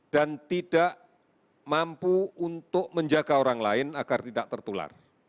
dan tidak mampu untuk menjaga orang lain agar tidak tertular